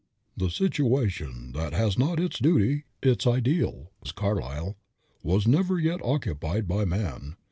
"The situation that has not its duty, its ideal," says Carlyle, "was never yet occupied by man.